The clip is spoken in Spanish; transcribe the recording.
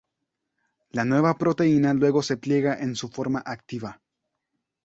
La nueva proteína luego se pliega en su forma activa.